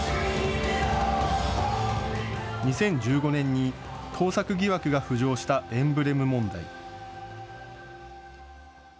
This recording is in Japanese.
２０１５年に盗作疑惑が浮上したエンブレム問題。